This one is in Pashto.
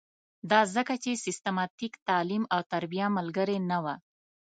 دا ځکه چې سیستماتیک تعلیم او تربیه ملګرې نه وه.